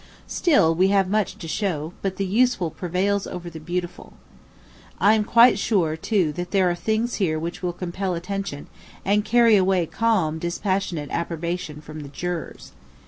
Still, we have much to show; but the useful prevails over the beautiful. I am quite sure, too, that there are things here which will compel attention, and carry away calm, dispassionate approbation from the jurors.